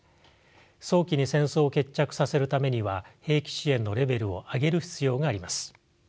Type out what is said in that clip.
早期に戦争を決着させるためには兵器支援のレベルを上げる必要があります。